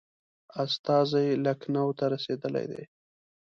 استازی لکنهو ته رسېدلی دی.